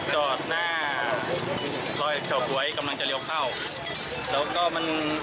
จอดหน้าส่อยเฉากายกำลังจะเลี่ยวเข้ามัน